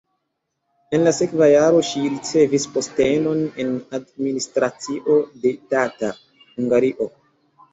En la sekva jaro ŝi ricevis postenon en administracio de Tata (Hungario).